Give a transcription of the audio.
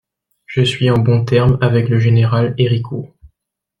Je suis en bons termes avec le général Héricourt.